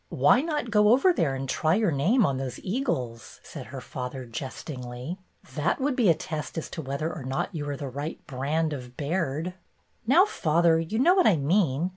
"Why not go over there and try your name on those eagles?" said her father, jestingly. "That would be a test as to whether or not you are the right brand of Baird." "Now, father, you know what I mean.